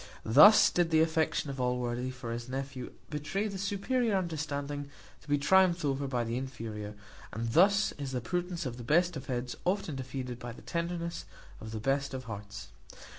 Thus did the affection of Allworthy for his nephew betray the superior understanding to be triumphed over by the inferior; and thus is the prudence of the best of heads often defeated by the tenderness of the best of hearts.